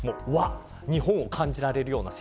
日本を感じられるような席。